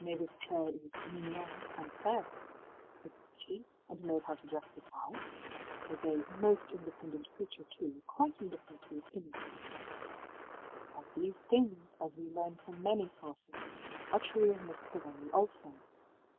ëMavis Clareí is mignonne and fair, ëis pretty, and knows how to dress besides,í is a ëmost independent creature, too; quite indifferent to opinions,í All these things, as we learn from many sources, are true of Miss Corelli also.